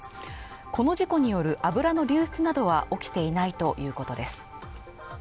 この事故による油の流出などは起きていないということです。